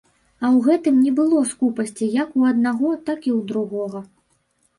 А ў гэтым не было скупасці як у аднаго, так і ў другога.